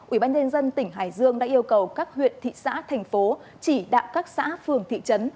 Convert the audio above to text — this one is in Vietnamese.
ủy ban nhân dân tỉnh hải dương đã yêu cầu các huyện thị xã thành phố chỉ đạo các xã phường thị trấn